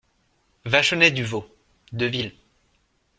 Vachonnet Du Vau … deville !